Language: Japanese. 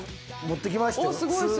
持ってきましたよ。